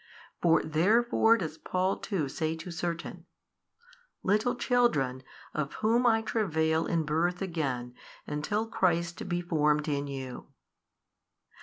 For therefore does Paul too say to certain, Little children of whom I travail in birth again until Christ be formed in you.